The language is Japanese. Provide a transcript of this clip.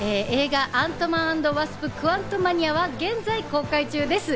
映画『アントマン＆ワスプ：クアントマニア』は現在公開中です。